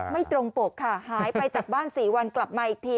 ไม่ตรงปกค่ะหายไปจากบ้าน๔วันกลับมาอีกที